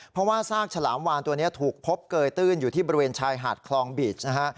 เพราะว่าซากฉลามวานตัวนี้ถูกพบเกยตื้นอยู่ที่บริเวณชายหาดคลองบีชนะฮะ